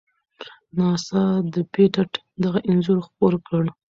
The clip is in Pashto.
ناسا د پېټټ دغه انځور خپور کړ.